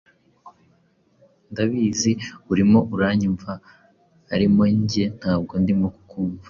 ndabizi urimo uranyumva arimo njye ntabwo ndimo kukumva